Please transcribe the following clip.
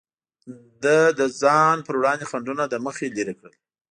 ده د ځان پر وړاندې خنډونه له مخې لرې کړل.